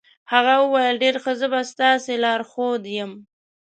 هغه وویل ډېر ښه، زه به ستاسې لارښود یم.